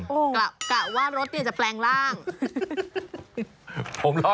กะว่ารถอยากจะแปลงร่าง